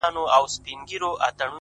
هغه ولس چي د _